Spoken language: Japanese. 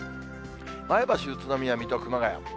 前橋、宇都宮、水戸、熊谷。